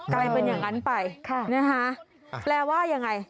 กลายเป็นอย่างนั้นไปนะคะแปลว่ายังไง